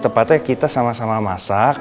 tepatnya kita sama sama masak